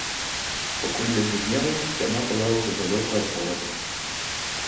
Пакуль развіднела, яна была ўжо далёка ад горада.